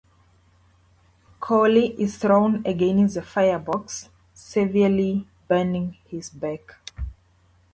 Coaly is thrown against the firebox, severely burning his back.